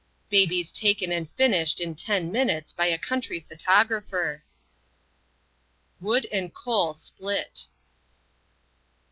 Babies taken and finished in ten minutes by a country photographer. Wood and coal split.